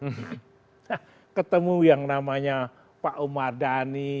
nah ketemu yang namanya pak umar dhani